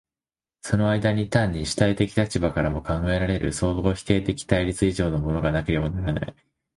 その間には単に主体的立場から考えられる相互否定的対立以上のものがなければならない。